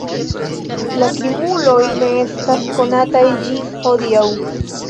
La krimuloj ne estas konataj ĝis hodiaŭ.